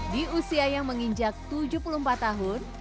di usia yang menginjak tujuh puluh empat tahun